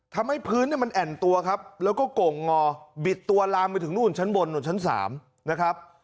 ทำให้พื้นมันแอ่นตัวครับแล้วก็โก่งงอบิดตัวลามไปถึงนู่นชั้นบนนู่นชั้น๓นะครับ